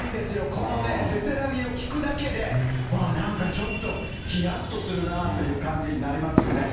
このね、せせらぎを聞くだけで、わー、なんかちょっとひやっとするなあという感じになりますよね。